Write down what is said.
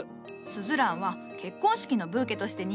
スズランは結婚式のブーケとして人気じゃが